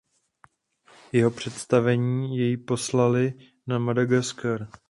Jeho představení jej poslali na Madagaskar.